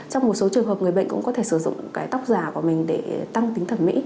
trong một số trường hợp người bệnh cũng có thể sử dụng cái tóc già của mình để tăng tính thẩm mỹ